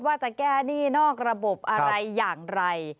ว่าจะแก้หนี้นอกระบบอะไรอย่างไร